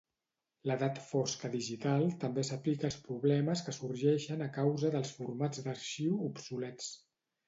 L'Edat Fosca Digital també s'aplica als problemes que sorgeixen a causa de formats d'arxiu obsolets.